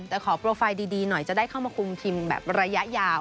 แต่ขอโปรไฟล์ดีหน่อยจะได้เข้ามาคุมทีมแบบระยะยาว